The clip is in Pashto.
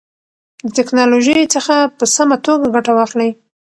د تکنالوژۍ څخه په سمه توګه ګټه واخلئ.